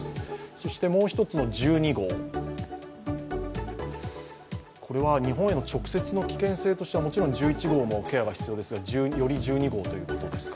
そしてもう一つの１２号、これは日本への直接の危険性としてはケアが必要ですがより１２号ということですか。